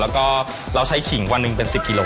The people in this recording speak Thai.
แล้วก็เราใช้ขิงวันหนึ่งเป็น๑๐กิโล